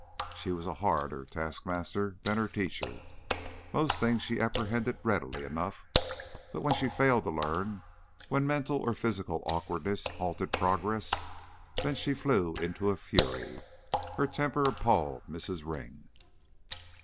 She was a harder taskmaster than her teacher. Most things she apprehended readily enough, but when she failed to learn, when mental or physical awkwardness halted progress, then she flew into a fury. Her temper appalled Mrs. Ring.